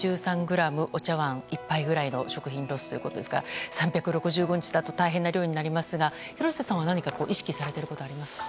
お茶碗１杯ぐらいの食品ロスということですから３６５日だと大変な量になりますが廣瀬さんは何か意識されていることありますか。